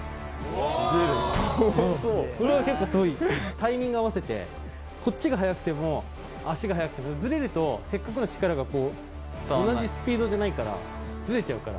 タイミング合わせて、こっちが速くても、足が速くてずれると、せっかくの力が、同じスピードじゃないから、ずれちゃうから。